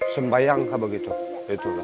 sembayang kalau begitu